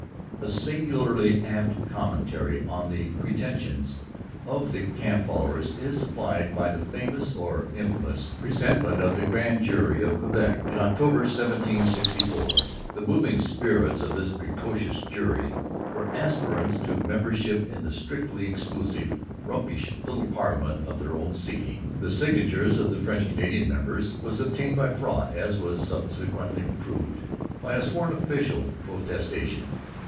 A singularly apt commentary on the pretensions of the camp followers is supplied by the famous, or infamous, 'Presentment of the Grand Jury of Quebec' in October 1764. The moving spirits of this precious jury were aspirants to membership in the strictly exclusive, rumpish little parliament of their own seeking. The signatures of the French Canadian members were obtained by fraud, as was subsequently proved by a sworn official protestation.